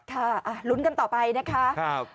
ค่ะลุ้นกันต่อไปนะคะ